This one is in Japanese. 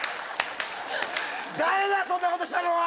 誰だ、そんなことしたのは！